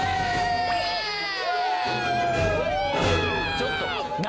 ちょっと何？